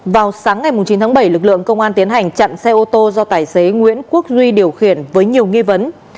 vào sáng ngày chín tháng bảy lực lượng công an tiến hành chặn xe ô tô do tài xế nguyễn quốc duy điều khiển với nhiều nghi vấn